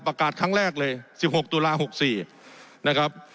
ประกาศครั้งแรกเลยสิบหกตุลาหกสี่นะครับ